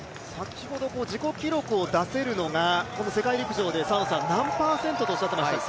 自己記録を出せるのが世界陸上で何パーセントとおっしゃっていましたっけ？